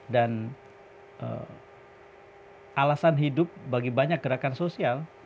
dan alasan hidup bagi banyak gerakan sosial